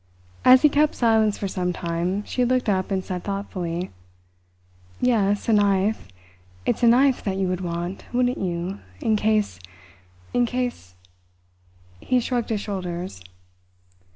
As he kept silence for some time, she looked up and said thoughtfully: "Yes, a knife it's a knife that you would want, wouldn't you, in case, in case " He shrugged his shoulders.